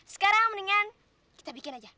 sekarang mendingan kita bikin aja